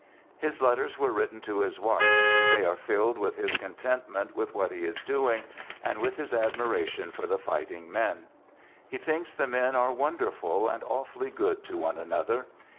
His letters were written to his wife. They are filled with his contentment with what he is doing, and with his admiration for the fighting men. He thinks the men are " wonderful and awfully good to one another."